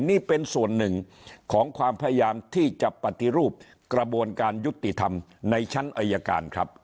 นี่เป็นส่วนหนึ่งของความพยายามที่จะปฏิรูปกระบวนการยุติธรรมในชั้นอายการครับ